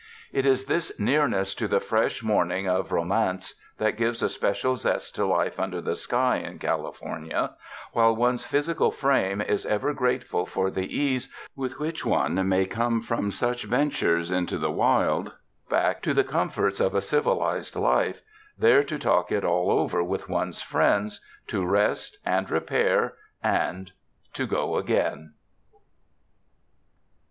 It is this nearness to the fresh morning of ro mance that gives a special zest to life under the sky in California, while one's physical frame is ever grateful for the ease with which one may come from such ventures into the wild, back to the comforts of a civilized life, there to talk it all over with one's friends, to rest and repair and — to go again.